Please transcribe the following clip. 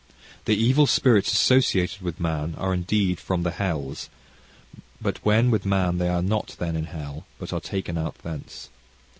"The evil spirits associated with man are, indeed from the hells, but when with man they are not then in hell, but are taken out thence.